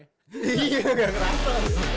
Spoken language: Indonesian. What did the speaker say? iya gak kerasa